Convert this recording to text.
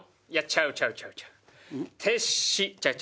ちゃうちゃうちゃうちゃうちゃう。